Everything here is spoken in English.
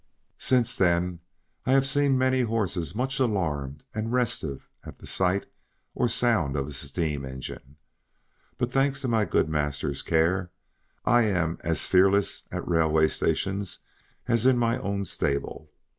Since then I have seen many horses much alarmed and restive at the sight or sound of a steam engine; but, thanks to my good master's care, I am as fearless at railway stations as in my own stable.